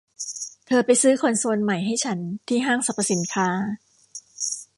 เธอไปซื้อคอนโซลใหม่ให้ฉันที่ห้างสรรพสินค้า